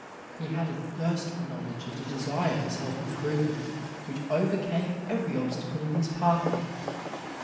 He had a thirst for knowledge and a desire for self improvement, which overcame every obstacle in his pathway.